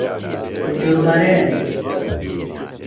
کُچُر مریݨیۡ۔